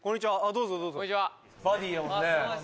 どうぞどうぞこんにちは・バディやもんね